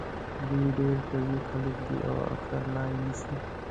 دوی ډېر قوي خلک دي او اکثره لارې نیسي.